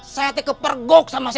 saya teh kepergok sama setannya